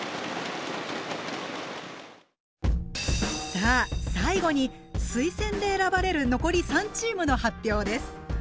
さあ最後に推薦で選ばれる残り３チームの発表です。